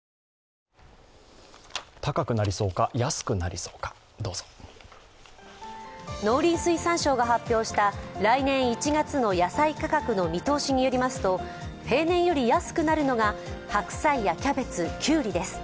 高くなりそうか、安くなりそうか農林水産省が発表した来年１月の野菜価格の見通しによりますと、平年より安くなるのが白菜やキャベツ、きゅうりです。